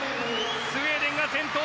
スウェーデンが先頭。